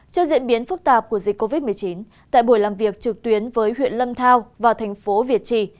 trước diễn biến phức tạp của dịch covid một mươi chín tại buổi làm việc trực tuyến với huyện lâm thao và thành phố việt trì